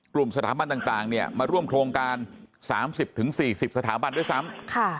กลุ่มสถาบันต่างมาร่วมโครงการ๓๐๔๐สถาบันด้วยซ้ำ